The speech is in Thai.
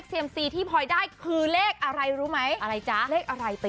สิบเจ็ดปะสิบเจ็ดปะใช่